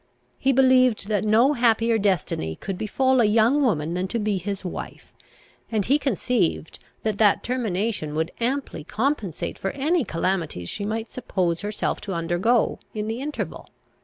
He believed that no happier destiny could befal a young woman than to be his wife; and he conceived that that termination would amply compensate for any calamities she might suppose herself to undergo in the interval.